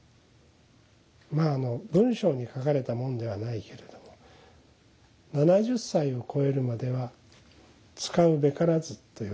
まああの文章に書かれたものではないけれども７０歳を超えるまでは使うべからずと言われているの。